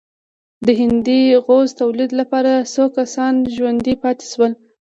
د هندي غوز د تولید لپاره څو کسان ژوندي پاتې شول.